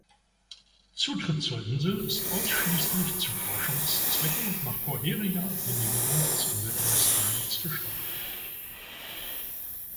Zutritt zur Insel ist ausschließlich zu Forschungszwecken und nach vorheriger Genehmigung des Umweltministeriums gestattet.